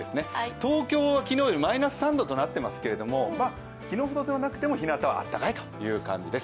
東京は昨日よりマイナス３度となっていますけれども、昨日ほどではなくてもひなたは暖かいです。